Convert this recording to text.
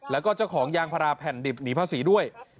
แล้วก็เจ้าของยางพาราแผ่นดิบหนีภาษีด้วย